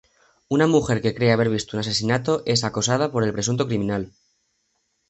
Una mujer que cree haber visto un asesinato es acosada por el presunto criminal.